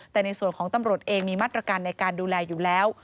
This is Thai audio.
แต่ในส่วนของตำรวจเองมีมาตรการในการดูแลอยู่แล้ว